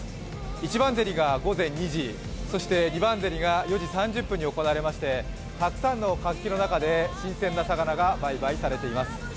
一番競りが午前２時、二番競りが午前４時に行われましてたくさんの活気の中で新鮮な魚が売買されています。